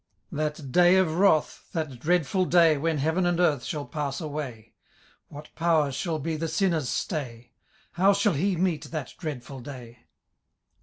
That day of wrath, that dreadful day. When heaven and earth shall pass away. What power shall he the sinner's stay ? How shall he meet that dreadful day